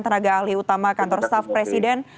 tenaga ahli utama kantor staff presiden